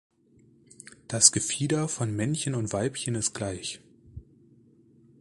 Das Gefieder von Männchen und Weibchen ist gleich.